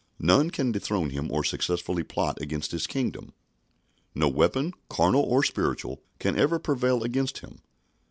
None can dethrone Him or successfully plot against His kingdom. No weapon, carnal or spiritual, can ever prevail against Him.